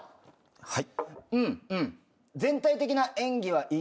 はい。